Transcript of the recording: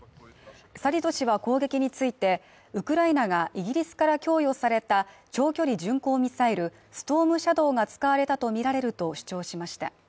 サリド氏は攻撃についてウクライナがイギリスから供与された長距離巡航ミサイルストームシャドーが使われたとみられると主張しました。